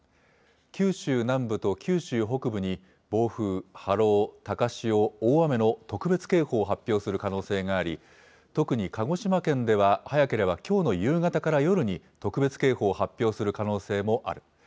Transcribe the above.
九州南部と九州北部に暴風、波浪、高潮、大雨の特別警報を発表する可能性があり、特に鹿児島県では早ければきょうの夕方から夜に特別警報を発表する可能性もある。